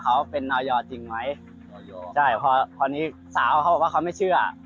เขาเป็นพ่อนยจริงไหมสาวเขาบอกว่าเขาไม่เชื่อ